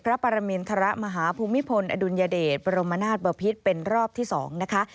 ปรมินทรมาฮภูมิพลอดุลยเดชบรมนาศบพิษเป็นรอบที่๒นะคะ